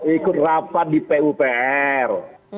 ikut rapat di pupr